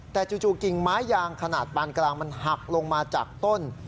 แต่จู่กิ่งไม้ยางขนาดปานกลางมันหักลงมาจากต้น